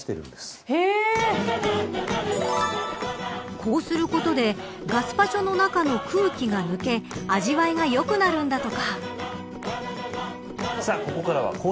こうすることでガスパチョの中の空気が抜け味わいが良くなるんだとか。